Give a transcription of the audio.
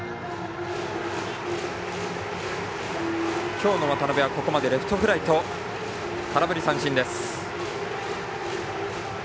今日の渡邊はここまでレフトフライと空振り三振です。